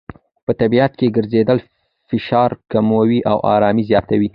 په طبیعت کې ګرځېدل فشار کموي او آرامۍ زیاتوي.